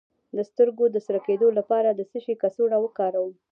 د سترګو د سره کیدو لپاره د څه شي کڅوړه وکاروم؟